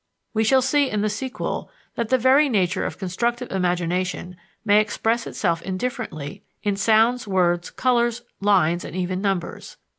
We shall see in the sequel that the very nature of constructive imagination may express itself indifferently in sounds, words, colors, lines, and even numbers.